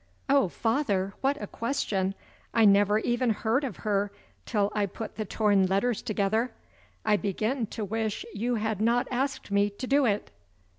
"Oh, father, what a question! I never even heard of her till I put the torn letters together. I begin to wish you had not asked me to do it."